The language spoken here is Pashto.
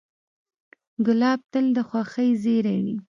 ګلاب تل د خوښۍ زېری وي.